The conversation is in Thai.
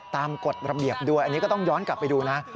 กฎระเบียบด้วยอันนี้ก็ต้องย้อนกลับไปดูนะ